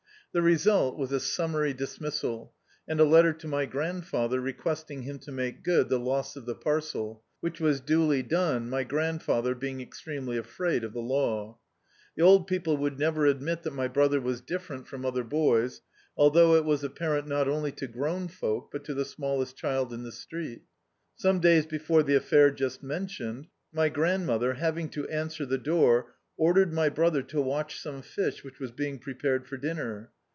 The result was a summary dismissal, and a letter to my grandfather requesting him to make good the loss of the parcel; which was duty done, my grandfather being extremely afraid of the law. The old people would never admit that my brother was different from other boys, al thou^ it was apparent not only to grown folk, but to the smallest child in the street. Some days be fore the affair just mendoned my grandmother, hav ing to answer the door, ordered my brother to watch some fish, which was being prepared for dinner.